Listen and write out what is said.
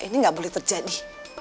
ini nggak boleh terjadi